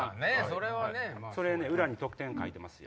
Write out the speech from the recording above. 裏に得点書いてますよ。